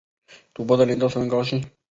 赌博的人都十分高兴